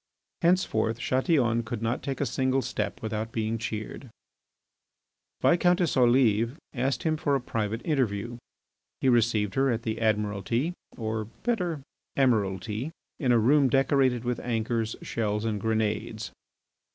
Henceforth Chatillon could not take a single step without being cheered. Viscountess Olive asked him for a private interview. He received her at the Admiralty in a room decorated with anchors, shells, and grenades.